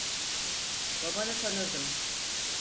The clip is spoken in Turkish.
Babanı tanırdım.